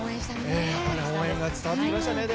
応援が伝わってきましたね。